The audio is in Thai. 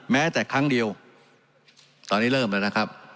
แม้แต่ครั้งเดียวตอนนี้เริ่มแล้วนะครับ